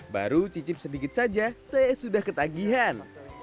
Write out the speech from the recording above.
baru cicip sedikit saja saya sudah ketagihan